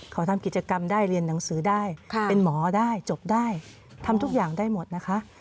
เขาทำกิจกรรมได้เรียนหนังสือได้เป็นหมอได้จบได้ทำทุกอย่างได้หมดนะคะ